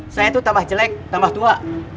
saya itu tambah jelek tambah tua